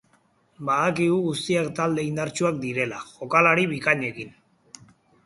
Badakigu guztiak talde indartsuak direla, jokalari bikainekin.